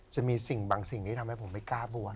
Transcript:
จะมีสิ่งบางสิ่งที่ทำให้ผมไม่กล้าบวช